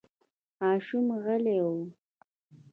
ماشوم غلی و.